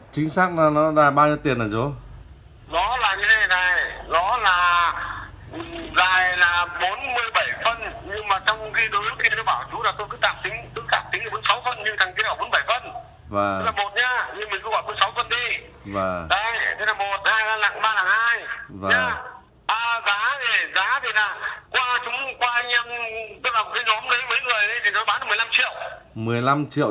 chính xác là nó đài bao nhiêu tiền hả chú